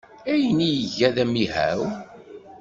Ayen ay iga d amihaw.